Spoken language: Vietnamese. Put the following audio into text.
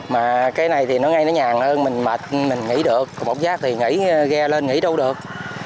mà cái này thì nó ngay nó nhàng hơn mình mệt mình nghỉ được còn bóc giác thì nghỉ ghe lên nghỉ đâu được